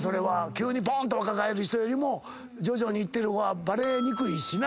急にボンっと若返る人よりも徐々にいってる方がバレにくいしな。